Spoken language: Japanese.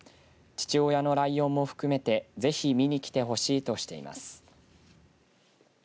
父親のライオンも含めてぜひ見に来てほしいとしています。